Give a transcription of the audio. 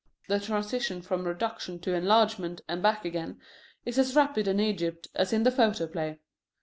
The transition from reduction to enlargement and back again is as rapid in Egypt as in the photoplay.